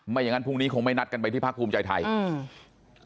อย่างงั้นพรุ่งนี้คงไม่นัดกันไปที่พักภูมิใจไทยอืม